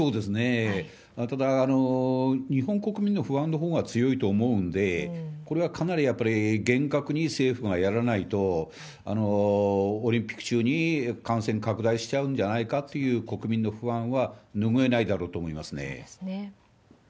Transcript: ただ、日本国民の不安のほうが強いと思うんで、これはかなりやっぱり厳格に政府がやらないと、オリンピック中に感染拡大しちゃうんじゃないかという国民の不安は拭えないだろうと思いますね。